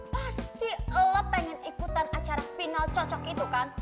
pasti lo pengen ikutan acara final cocok itu kan